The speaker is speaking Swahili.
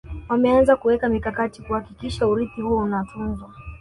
wameanza kuweka mikakati kuhakikisha urithi huu unatunzwa